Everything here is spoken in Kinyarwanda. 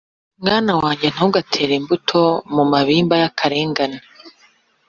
Mwana wanjye, ntugatere imbuto mu mabimba y’akarengane,